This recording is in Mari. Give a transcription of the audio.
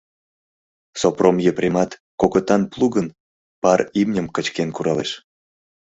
Сопром Епремат кокытан плугын: пар имньым кычкен куралеш.